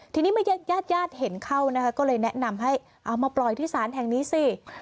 ทีนี้เมื่อญาติญาติเห็นเข้านะคะก็เลยแนะนำให้เอามาปล่อยที่ศาลแห่งนี้สิ